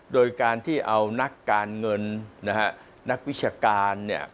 โดยการที่เอานักการเงินนักวิชาการ